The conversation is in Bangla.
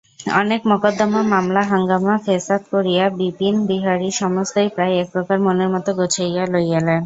অনেক মকদ্দমা মামলা হাঙ্গামা ফেসাদ করিয়া বিপিনবিহারী সমস্তই প্রায় একপ্রকার মনের মতো গুছাইয়া লইলেন।